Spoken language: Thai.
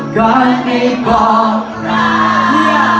การไม่บอกร้าย